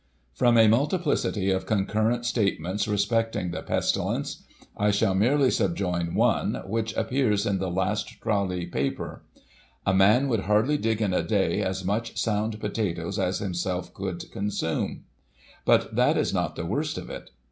*" From a multiplicity of concurrent statements respecting the pestilence, I shall merely subjoin one, which appears in the last Tralee paper :' A man would hardly dig in a day, as much sound potatoes as himself would consume. But that is not the worst of it.